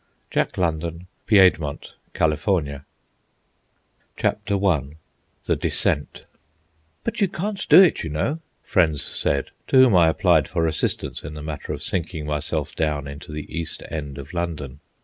JACK LONDON. PIEDMONT, CALIFORNIA. CHAPTER I. THE DESCENT "But you can't do it, you know," friends said, to whom I applied for assistance in the matter of sinking myself down into the East End of London.